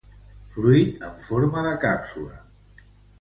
Fruit en forma de càpsula.